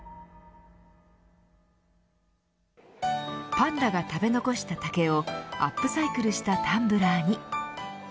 パンダが食べ残した竹をアップサイクルしたタンブラーに。